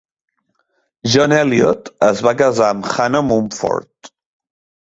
John Eliot es va casar amb Hanna Mumford.